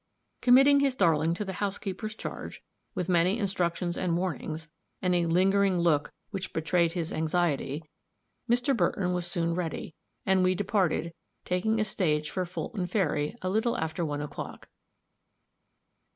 Committing his darling to the housekeeper's charge, with many instructions and warnings, and a lingering look which betrayed his anxiety, Mr. Burton was soon ready, and we departed, taking a stage for Fulton Ferry a little after one o'clock.